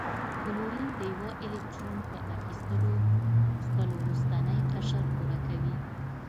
کلورین د یوه الکترون په اخیستلو خپل وروستنی قشر پوره کوي.